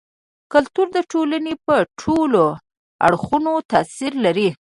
کلتور د ټولني پر ټولو اړخونو تاثير لري.